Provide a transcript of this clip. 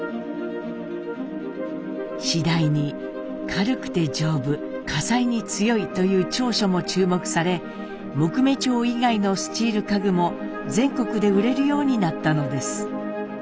次第に「軽くて丈夫」「火災に強い」という長所も注目され木目調以外のスチール家具も全国で売れるようになったのです。